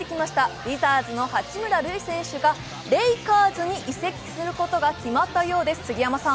ウィザーズの八村塁選手がレイカーズに移籍することが決まったようです。